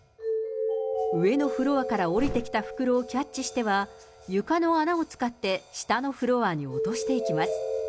上のフロアから下りてきた袋をキャッチしては、床の穴を使って下のフロアに落としていきます。